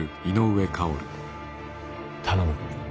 頼む。